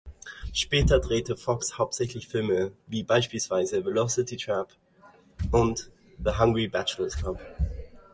Später drehte Fox hauptsächlich Filme, wie beispielsweise "Velocity Trap" und "The Hungry Bachelors Club".